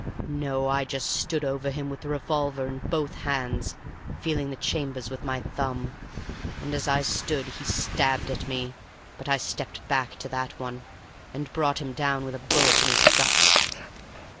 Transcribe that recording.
No, I just stood over him, with the revolver in both hands, feeling the chambers with my thumb; and as I stood he stabbed at me; but I stepped back to that one, and brought him down with a bullet in his guts.